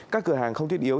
các cửa hàng không thiết yếu